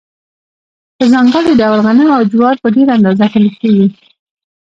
په ځانګړي ډول غنم او جوار په ډېره اندازه کرل کیږي.